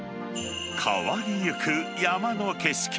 変わりゆく山の景色。